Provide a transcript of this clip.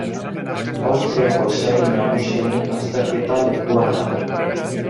Austriako Sari Nagusiaren lasterketa lekua da.